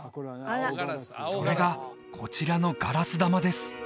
それがこちらのガラス玉です